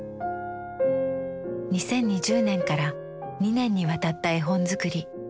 ２０２０年から２年にわたった絵本作り。